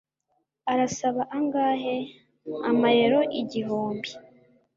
"Arasaba angahe?" "Amayero igihumbi."